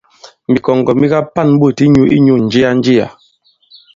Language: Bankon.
Mìkɔ̀ŋgɔ̀ mi ka-pa᷇n ɓôt i minyǔ inyū ǹjia-njià.